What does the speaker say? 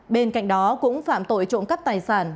bên cạnh đó cũng phạm tội trộm cắp tài sản